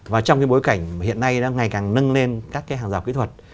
và trong cái bối cảnh hiện nay đang ngày càng nâng lên các cái hàng rào kỹ thuật